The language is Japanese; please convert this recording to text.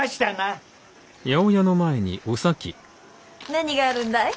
何があるんだい？